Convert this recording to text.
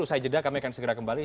usai jeda kami akan segera kembali